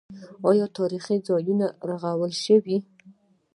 آیا تاریخي ځایونه رغول شوي؟